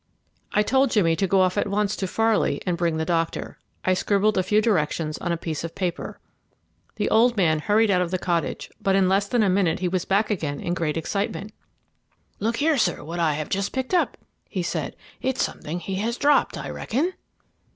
I told Jimmy to go off at once to Farley and bring the doctor. I scribbled a few directions on a piece of paper. The old man hurried out of the cottage, but in less than a minute he was back again in great excitement. "Look here, sir, what I have just picked up," he said; "it's something he has dropped, I reckon."